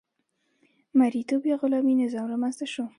مرئیتوب یا غلامي نظام رامنځته شو.